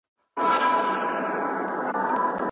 آیا د ایران په دربار کې به کوم مخلص سړی پاتې شي؟